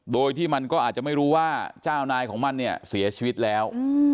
โดยที่มันก็อาจจะไม่รู้ว่าเจ้านายของมันเนี่ยเสียชีวิตแล้ว